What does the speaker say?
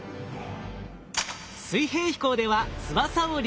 水平飛行では翼を利用。